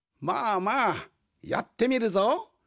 まあまあやってみるぞ。